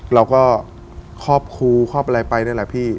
เราก็ครอบครูครอบอะไรไปนี่แหละพี่